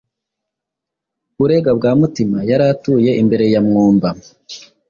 Burega bwa Mutima, yari atuye imbere ya Mwumba*.